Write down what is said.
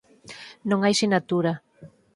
Non hai sinatura.